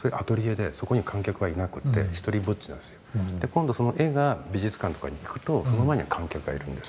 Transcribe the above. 今度その絵が美術館とかに行くとその前には観客がいる。